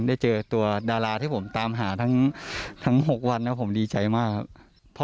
ได้เจอตัวดาราที่ผมตามหาทั้ง๖วันนะผมดีใจมากครับ